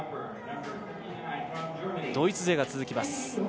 ドイツ勢が続きます。